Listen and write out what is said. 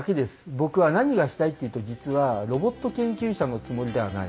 僕は何がしたいっていうと実はロボット研究者のつもりではない。